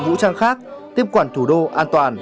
bếp thì đúng là